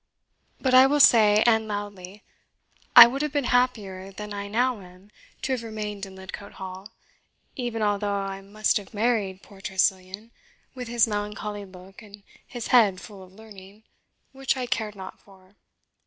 But I will say, and loudly, I would have been happier than I now am to have remained in Lidcote Hall, even although I must have married poor Tressilian, with his melancholy look and his head full of learning, which I cared not for.